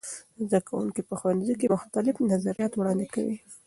زده کوونکي په ښوونځي کې مختلف نظریات وړاندې کوي.